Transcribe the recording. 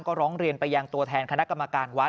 หลวงพ่อหลวงพ่อหลวงพ่อหลวงพ่อหลวงพ่ออาวาส